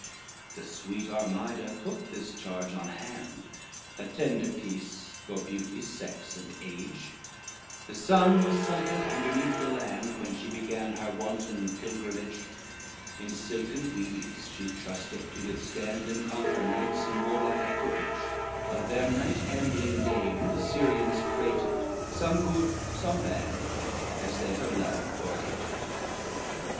XXVII The sweet Armida took this charge on hand, A tender piece, for beauty, sex and age, The sun was sunken underneath the land, When she began her wanton pilgrimage, In silken weeds she trusteth to withstand, And conquer knights in warlike equipage, Of their night ambling dame the Syrians prated, Some good, some bad, as they her loved or hated.